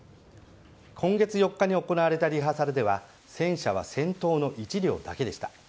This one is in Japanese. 今月４日に行われたリハーサルでは戦車は先頭の１両だけでした。